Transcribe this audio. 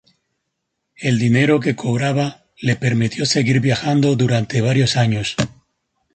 El dinero que cobraba le permitió seguir viajando durante varios años.